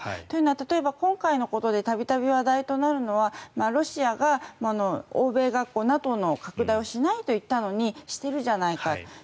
というのは、例えば今回のことで度々話題となるのはロシアが欧米がＮＡＴＯの拡大をしないと言ったのにしているじゃないか。